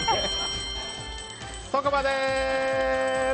ここまで！